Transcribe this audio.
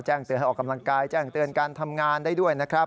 แจ้งเตือนออกกำลังกายแจ้งเตือนการทำงานได้ด้วย